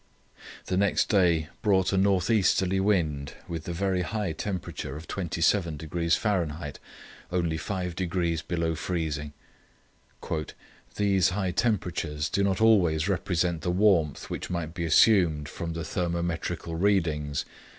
The next day brought a north easterly wind with the very high temperature of 27° Fahr.—only 5° below freezing. "These high temperatures do not always represent the warmth which might be assumed from the thermometrical readings.